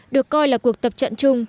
được coi là cuộc tập trận chung